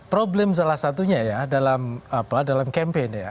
problem salah satunya dalam campaign